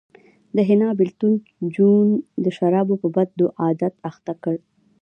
د حنا بېلتون جون د شرابو په بد عادت اخته کړ